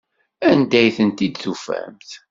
Anda ay tent-id-tufamt?